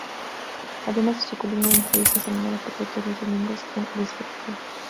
Además de su columna, una entrevista semanal aparece todos los domingos en "El Espectador".